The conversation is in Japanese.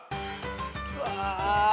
うわ。